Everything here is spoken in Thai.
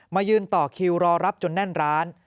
ยืนต่อคิวรอรับจนแน่นร้าน